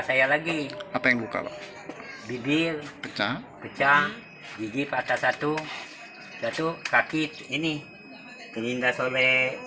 saya lagi apa yang buka bibir pecah kecah gigi patah satu satu kaki ini ke lintas oleh nelpot